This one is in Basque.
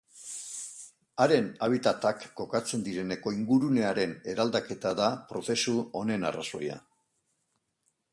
Haren habitatak kokatzen direneko ingurunearen eraldaketa da prozesu honen arrazoia.